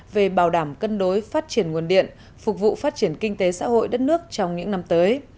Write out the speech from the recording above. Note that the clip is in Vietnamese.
về bảo đảm cân đối phát triển nguồn điện phục vụ phát triển kinh tế xã hội đất nước trong những năm tới